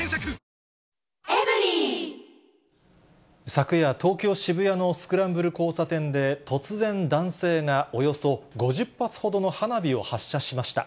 昨夜、東京・渋谷のスクランブル交差点で、突然、男性がおよそ５０発ほどの花火を発射しました。